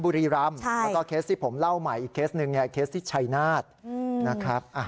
บุรีรำแล้วก็เคสที่ผมเล่าใหม่อีกเคสหนึ่งเนี่ยเคสที่ชัยนาธนะครับ